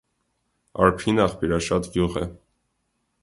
Արփին աղբյուրաշատ գյուղ է։